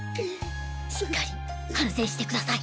しっかり反省してください。